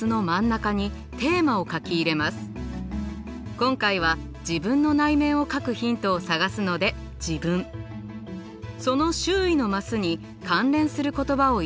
今回は自分の内面を描くヒントを探すので「自分」その周囲のマスに関連する言葉を入れていきます。